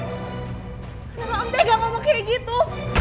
tapi kalau amde gak mau kayak gitu